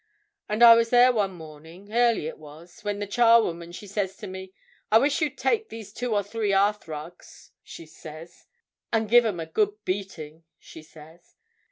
And I was there one morning, early it was, when the charwoman she says to me, 'I wish you'd take these two or three hearthrugs,' she says, 'and give 'em a good beating,' she says.